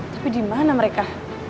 tapi di mana mereka